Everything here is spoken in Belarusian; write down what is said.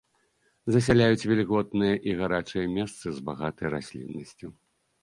Засяляюць вільготныя і гарачыя месцы з багатай расліннасцю.